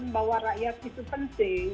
bahwa rakyat itu penting